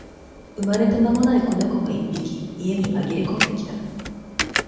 生まれて間もない子猫が一匹、家に紛れ込んできた。